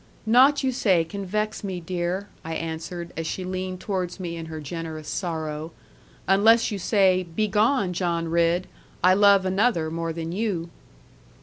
'Naught you say can vex me, dear,' I answered, as she leaned towards me in her generous sorrow; 'unless you say "Begone, John Ridd; I love another more than you."'